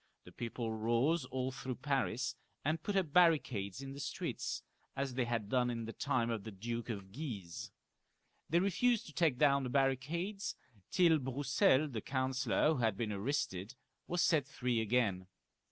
The people rose all through Paris, and put up bar ricades in the streets, as they had done in the time of the Duke of Guise. They refused to take down the barricades, till Broussel, the counsellor who had been arrested, was set free again.